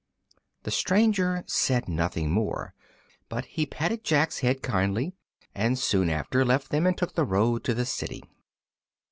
The stranger said nothing more, but he patted Jack's head kindly, and soon after left them and took the road to the city.